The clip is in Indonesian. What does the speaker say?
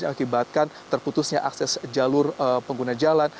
yang akibatkan terputusnya akses jalur pengguna jalan